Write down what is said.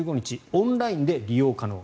オンラインで利用可能。